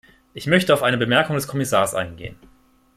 Ich möchte auf eine Bemerkung des Kommissars eingehen.